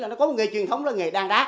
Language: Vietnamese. nó có nghề truyền thống nghề đàn đá